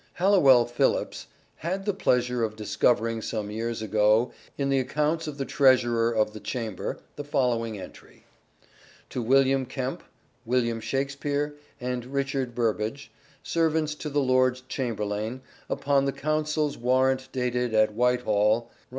Halliwell Phillipps " had the pleasure of discover Treasurer's ing some years ago in the accounts of the Treasurer accounts of the Chamber " the following entry :—" To William Kempe, William Shakespeare and Richard Burbage, servants to the Lord Chamberlaine, upon the councelles warrant dated at Whitehall xv.